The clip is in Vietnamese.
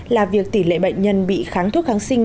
là việc tỷ lệ bệnh nhân bị kháng thuốc kháng sinh